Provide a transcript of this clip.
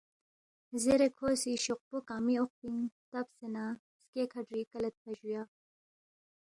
زیرے کھو سی شوقپو کنگمی اوقپِنگ ہلتبسے نہ سکیے کھہ گِری کلیدپا جُو